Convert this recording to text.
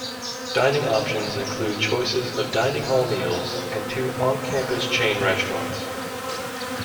Dining options include choices of dining-hall meals and two on-campus chain restaurants.